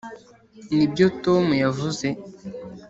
nibyo tom yavuze?